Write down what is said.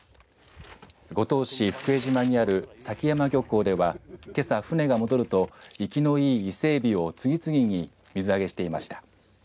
五島市福江島にある崎山漁港ではけさ船が戻ると生きのいいイセエビを次々に水揚げしていました。